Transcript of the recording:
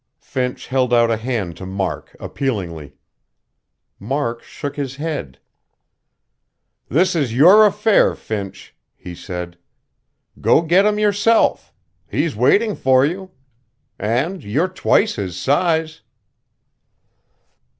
Finch held out a hand to Mark, appealingly. Mark shook his head. "This is your affair, Finch," he said. "Go get him, yourself. He's waiting for you. And you're twice his size."